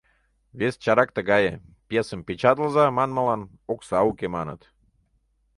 Вес чарак тыгае: «пьесым печатлыза» манмылан «окса уке» маныт.